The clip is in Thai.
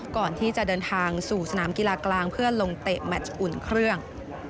ก่อนที่จะเดินทางสู่สนามกีฬากลางเพื่อลงเตะแมชอุ่นเครื่อง